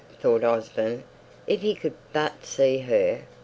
thought Osborne. "If he could but see her!"